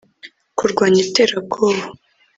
kurwanya iterabwoba